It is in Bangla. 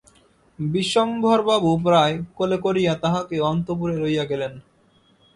বিশ্বম্ভরবাবু প্রায় কোলে করিয়া তাহাকে অন্তঃপুরে লইয়া গেলেন।